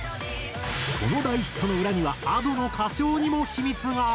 この大ヒットの裏にはＡｄｏの歌唱にも秘密が。